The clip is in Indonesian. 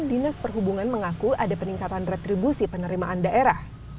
dinas perhubungan mengaku ada peningkatan retribusi penerimaan daerah